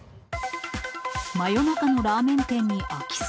真夜中のラーメン店に空き巣。